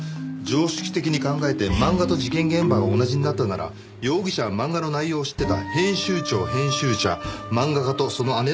常識的に考えて漫画と事件現場が同じになったなら容疑者は漫画の内容を知ってた編集長編集者漫画家とその姉の４人に絞られます。